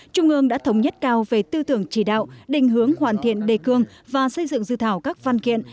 trung ương đã thống nhất cao về tư tưởng chỉ đạo đình hướng hoàn thiện đề cương và xây dựng dự thảo các văn kiện